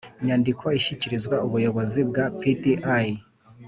nyandiko ishyikirizwa ubuyobozi bwa pdi